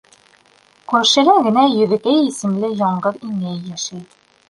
Күршелә генә Йөҙөкәй исемле яңғыҙ инәй йәшәй.